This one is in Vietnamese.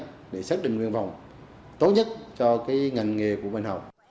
thì xét định nguyện vọng tốt nhất cho cái ngành nghề của bệnh học